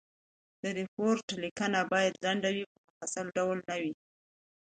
د ریپورټ لیکنه باید لنډ وي په مفصل ډول نه وي.